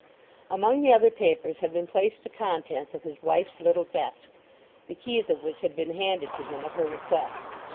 Among the other papers had been placed the contents of his wife's little desk, the keys of which had been handed to him at her request.